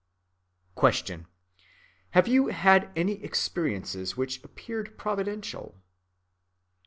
Q. _Have you had any experiences which appeared providential?